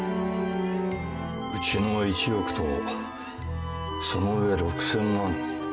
うちの１億とその上６，０００万。